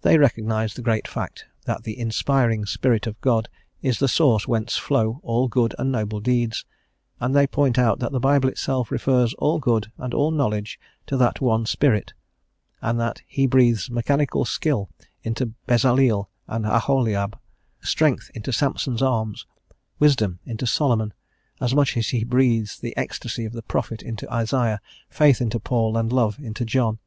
They recognise the great fact that the inspiring Spirit of God is the source whence flow all good and noble deeds, and they point out that the Bible itself refers all good and all knowledge to that one Spirit, and that He breathes mechanical skill into Bezaleel and Aholiab, strength into Samson's arms, wisdom into Solomon, as much as He breathes the ecstacy of the prophet into Isaiah, faith into Paul, and love into John.